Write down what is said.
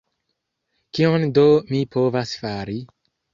Kion do mi povas fari?